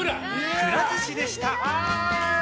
くら寿司でした。